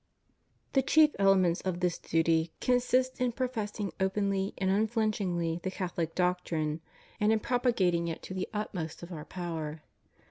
The chief elements of this duty consist in professing openly and unflinchingly the Catholic doctrine, and in propagating it to the utmost of our power.